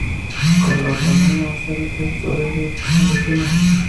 Con la otra mano, hace el gesto de la bendición latina.